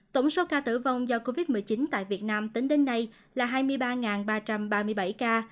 tổng số ca tử vong do covid một mươi chín tại việt nam tính đến nay là hai mươi ba ba trăm ba mươi bảy ca